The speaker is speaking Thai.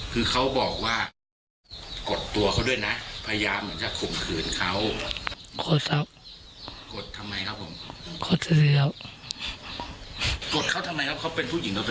กดเขาทำไมครับเขาเป็นผู้หญิงเราเป็นผู้ชายครับ